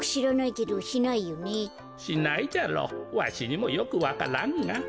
わしにもよくわからんが。